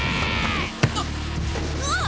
あっ。